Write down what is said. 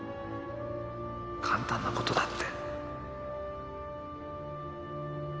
簡単なことだって